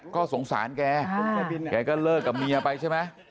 ก็สงสารแกแกก็เลิกกับเมียไปใช่ไหม